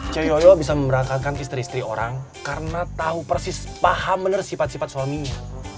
ce yoyo bisa memberangkatkan istri istri orang karena tahu persis paham benar sifat sifat suaminya